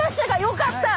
よかった！